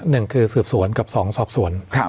หนึ่งคือสืบสวนกับสองสอบสวน